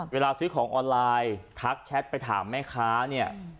เวลาซื้อของออนไลน์ทักแชทไปถามแม่ค้าเนี่ย